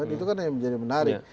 itu kan yang menjadi menarik